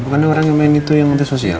bukannya orang yang main itu yang menteri sosial